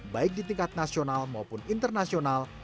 baik di tingkat nasional maupun internasional